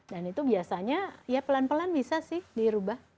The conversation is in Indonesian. dan itu biasanya ya pelan pelan bisa sih dirubah